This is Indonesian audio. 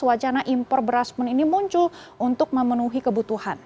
wacana impor beras pun ini muncul untuk memenuhi kebutuhan